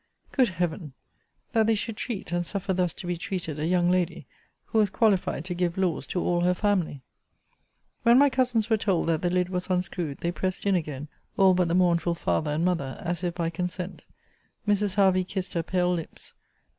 Good Heaven! that they should treat, and suffer thus to be treated, a young lady, who was qualified to give laws to all her family! When my cousins were told that the lid was unscrewed, they pressed in again, all but the mournful father and mother, as if by consent. Mrs. Hervey kissed her pale lips.